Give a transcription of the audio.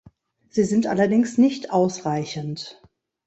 Sie sind allerdings nicht ausreichend.